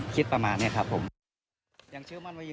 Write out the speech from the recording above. คิดประมาณนี้ครับผม